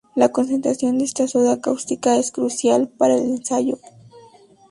La concentración de esta soda cáustica es crucial para el ensayo.